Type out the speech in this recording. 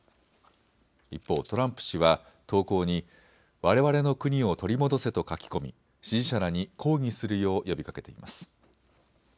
一方、トランプ氏は投稿にわれわれの国を取り戻せと書き込み支持者らに抗議するよう呼びかけています。